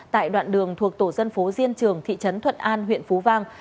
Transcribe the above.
tại đoạn đường thuộc tổ dân phố diên trường thị trấn thuận an huyện phú vang